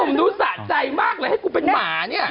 หนูสะใจมากเลยให้กูเป็นหมาเนี่ย